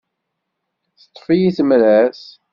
Teṭṭef-iyi temrart.